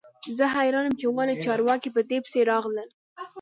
زه حیران یم چې ولې چارواکي په دې پسې راغلل